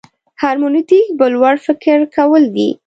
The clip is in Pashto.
هرمنوتیک بل وړ فکر کول دي.